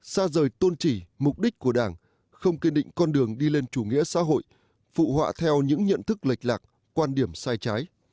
xa rời tôn trị mục đích của đảng không kiên định con đường đi lên chủ nghĩa xã hội phụ họa theo những nhận thức lệch lạc quan điểm sai trái